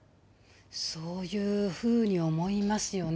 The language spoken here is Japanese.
そういうふうに思いますよね。